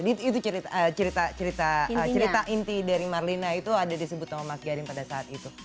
jadi itu cerita inti dari marlina itu ada disebut sama mas garin pada saat itu